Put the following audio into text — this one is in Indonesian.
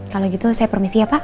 kalau gitu saya permisi ya pak